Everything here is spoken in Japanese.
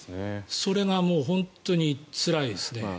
それが本当につらいですね。